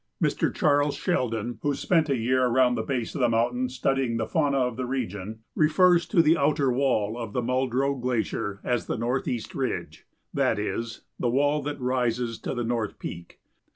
Mr. Charles Sheldon, who spent a year around the base of the mountain studying the fauna of the region, refers to the outer wall of the Muldrow Glacier as the Northeast Ridge, that is, the wall that rises to the North Peak.